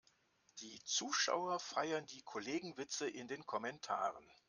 Die Zuschauer feiern die Kollegenwitze in den Kommentaren.